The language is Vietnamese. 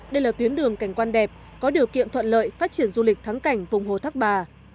đây là tuyến đường cảnh quan đẹp có điều kiện thuận lợi phát triển du lịch thắng cảnh vùng hồ thác bà